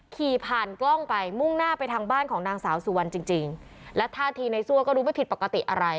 ขี่ผ่านกล้องไปมุ่งหน้าไปทางบ้านของนางสาวสุวรรณจริงจริงและท่าทีในซั่วก็รู้ไม่ผิดปกติอะไร